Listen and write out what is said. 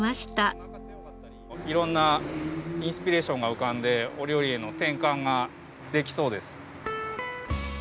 色んなインスピレーションが浮かんでお料理への転換ができそうです。